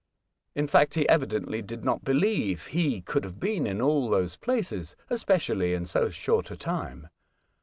In fact, he evidently did not believef he could have been in all these places, especiallj^ in so short a time.